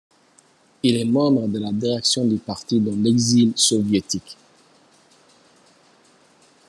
Il est membre de la direction du parti dans l'exil soviétique.